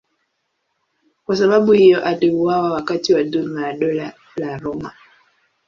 Kwa sababu hiyo aliuawa wakati wa dhuluma ya Dola la Roma.